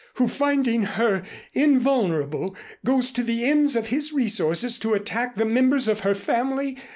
Who finding her invulnerable goes to the ends of his resources to attack the members of her family?